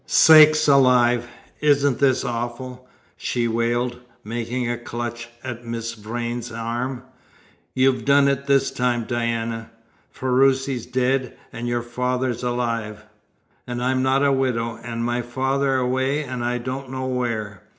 "Sakes alive! isn't this awful?" she wailed, making a clutch at Miss Vrain's arm. "You've done it, this time, Diana. Ferruci's dead, and your father alive, and I'm not a widow, and my father away I don't know where!